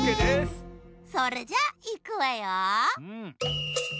それじゃいくわよ。